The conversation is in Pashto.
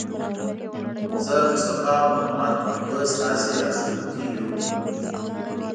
زه، مصطفی او محمد به ستاسې لارښوونکي یو.